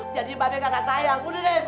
jadi mune kagak sayang mune deh